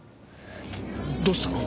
どうしたの？